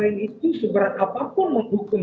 itu seberat apapun menghukum